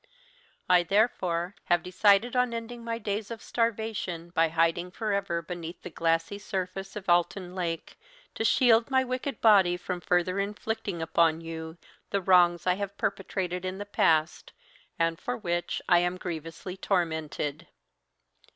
I, therefore, have decided on ending my days of starvation by hiding for ever beneath the glassy surface of Alton Lake to shield my wicked body from further inflicting upon you the wrongs I have perpetrated in the past, and for which I am grievously tormented.